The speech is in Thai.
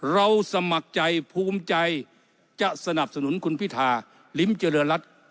สมัครใจภูมิใจจะสนับสนุนคุณพิธาลิ้มเจริญรัฐ